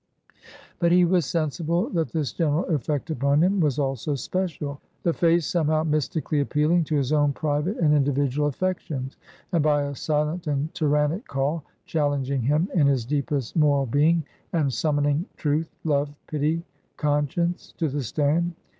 But he was sensible that this general effect upon him, was also special; the face somehow mystically appealing to his own private and individual affections; and by a silent and tyrannic call, challenging him in his deepest moral being, and summoning Truth, Love, Pity, Conscience, to the stand.